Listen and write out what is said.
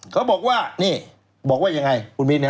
เขาบอกว่านี่บอกว่ายังไงคุณมินฮ